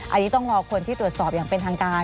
อันนี้ต้องรอคนที่ตรวจสอบอย่างเป็นทางการ